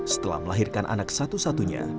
setelah melahirkan anak satu satunya